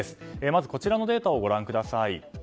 まずはこちらのデータをご覧ください。